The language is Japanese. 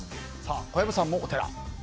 小籔さんもお寺。